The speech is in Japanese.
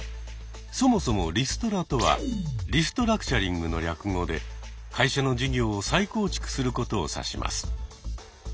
そもそもリストラとは「リストラクチャリング」の略語で会社の事業を再構築することを指します。